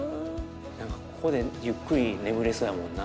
何かここでゆっくり眠れそうやもんな。